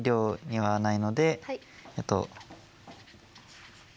はい。